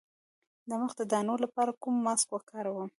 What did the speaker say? د مخ د دانو لپاره کوم ماسک وکاروم؟